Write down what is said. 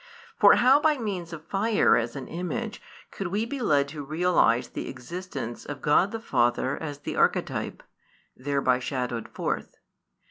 For how by means of fire as an image could we be led to realise the existence of God the Father as the Archetype [thereby shadowed forth]?